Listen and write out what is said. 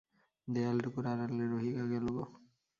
দেয়ালটুকুর আড়ালে রহিয়া গেল গো।